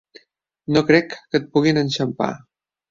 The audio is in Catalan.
No crec que et puguin enxampar.